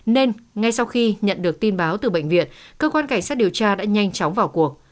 nên ngay sau khi nhận được tin báo từ bệnh viện cơ quan cảnh sát điều tra đã nhanh chóng vào cuộc